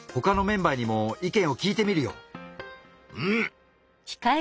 うん！